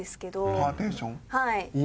はい。